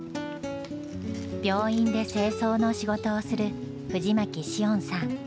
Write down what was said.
病院で清掃の仕事をする藤巻詩音さん。